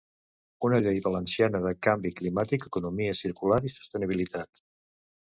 Una llei valenciana de canvi climàtic, economia circular i sostenibilitat.